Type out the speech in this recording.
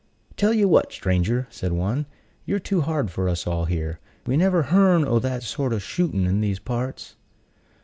"Tell you what, stranger," said one, "you're too hard for us all here. We never hearn o' that sort o' shoot'n' in these parts."